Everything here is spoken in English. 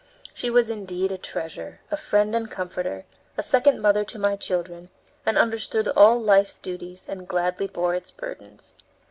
She was indeed a treasure, a friend and comforter, a second mother to my children, and understood all life's duties and gladly bore its burdens.